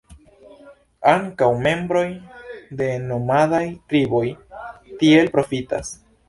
Ankaŭ membroj de nomadaj triboj tiel profitas.